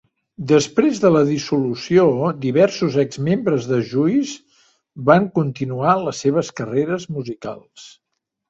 Després de la dissolució, diversos exmembres de Juice van continuar les seves carreres musicals.